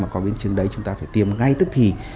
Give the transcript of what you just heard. mà có biến chứng đấy chúng ta phải tiêm ngay tức thì